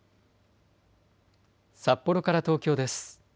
札幌から東京です。